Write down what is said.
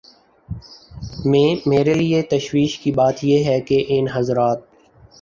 میں میرے لیے تشویش کی بات یہ ہے کہ ان حضرات